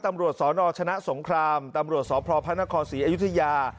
ตำรวจสนชนะสงครามตำรวจสพพระนครศรีอยุธยา